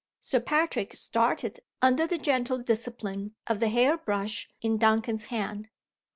Sir Patrick started under the gentle discipline of the hair brush in Duncan's hand.